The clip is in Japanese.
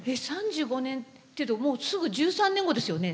３５年っていうともうすぐ１３年後ですよね。